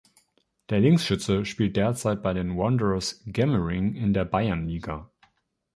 Der Linksschütze spielt derzeit bei den Wanderers Germering in der Bayernliga.